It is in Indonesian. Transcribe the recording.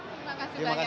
terima kasih banyak mas